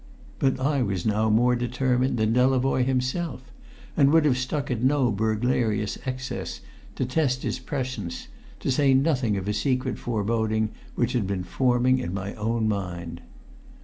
But I was now more determined than Delavoye himself, and would have stuck at no burglarious excess to test his prescience, to say nothing of a secret foreboding which had been forming in my own mind.